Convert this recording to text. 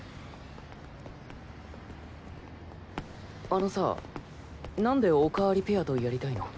あのさ何でおかありペアとやりたいの？